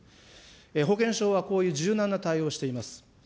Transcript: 保険証はこういう柔軟な対応しています。